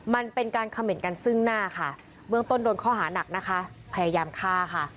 มันเป็นการเขม่นกันซึ่งหน้าค่ะเบื้องต้นโดนข้อหานักนะคะพยายามฆ่าค่ะ